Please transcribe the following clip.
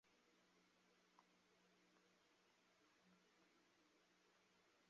স্বাধীনতা-পরবর্তীকালে বাংলাদেশের কবিতায় যারা গুরুত্বপূর্ণ অবদান রেখেছেন কবি বিমল গুহ তাদের অন্যতম।